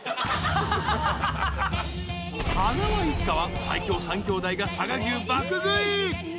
はなわ一家は最強３兄弟が佐賀牛爆食い。